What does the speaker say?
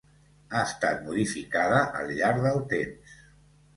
Ha estat molt modificada al llarg del temps.